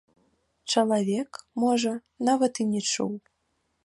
Чалавек, можа, нават і не чуў.